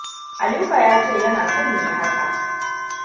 Aliko ya ce yana son mu yi haka.